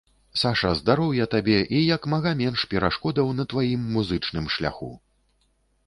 Саша, здароўя табе і як мага менш перашкодаў на тваім музычным шляху!